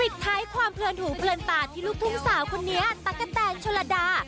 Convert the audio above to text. ท้ายความเพลินหูเพลินตาที่ลูกทุ่งสาวคนนี้ตั๊กกะแตนชลดา